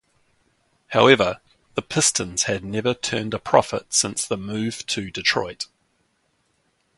However, the Pistons had never turned a profit since the move to Detroit.